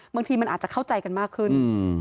บางทีมันอาจจะเข้าใจกันมากขึ้น